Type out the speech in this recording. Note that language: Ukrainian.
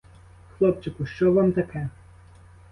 Хлопчику, що вам таке?